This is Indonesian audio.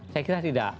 saya kira tidak